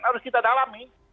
harus kita dalami